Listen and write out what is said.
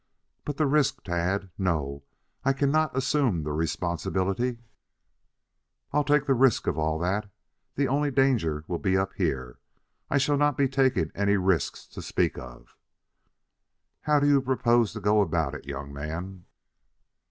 "But the risk, Tad. No, I cannot assume the responsibility " "I'll take the risk of all that. The only danger will be up here. I shall not be taking any risks to speak of " "How do you propose to go about it, young man?"